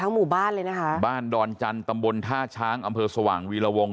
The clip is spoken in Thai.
หมู่บ้านเลยนะคะบ้านดอนจันทร์ตำบลท่าช้างอำเภอสว่างวีรวง